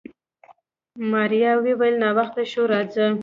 ماريا وويل ناوخته شو راځه.